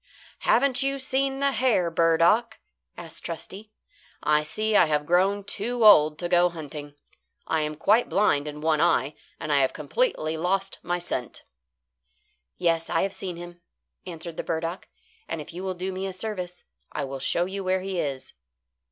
"Haven't you seen the hare, burdock?" asked Trusty. "I see I have grown too old to go hunting. I am quite blind in one eye, and I have completely lost my scent." "Yes, I have seen him," answered the burdock; "and if you will do me a service, I will show you where he is."